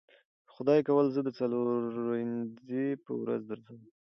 که خدای کول زه د څلورنیځې په ورځ درسم.